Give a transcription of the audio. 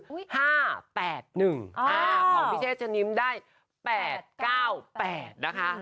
ของพิเศษจะนิ้มได้๘๙๘นะคะ